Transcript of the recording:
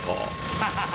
ハハハ！